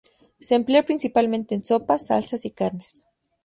Se emplea principalmente en sopas, salsas y carnes.